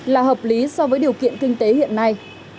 là hợp lý so với điều kiện kinh tế hiện nay